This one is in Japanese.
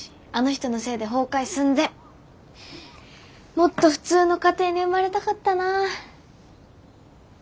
もっと普通の家庭に生まれたかったな。